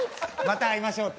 また会いましょう。